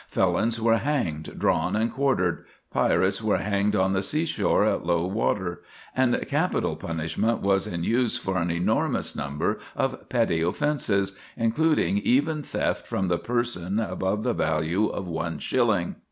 Felons were hanged, drawn, and quartered; pirates were hanged on the seashore at low water; and capital punishment was in use for an enormous number of petty offences, including even theft from the person above the value of one shilling.